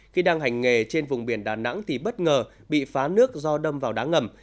khi đang hành nghề trên vùng biển đà nẵng thì bất ngờ bị phá nước do đâm vào đá ngầm